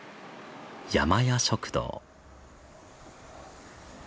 山家食堂。